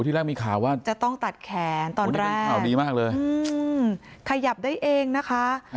ที่แรกมีข่าวว่าจะต้องตัดแขนตอนแรกขยับได้เองนะคะ